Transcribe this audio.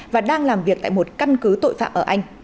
và đang làm việc tại một căn cứ tội phạm ở anh